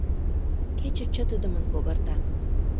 Кече чытыдымын когарта.